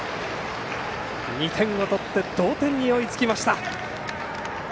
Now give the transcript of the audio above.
２点を取って同点に追いつきました。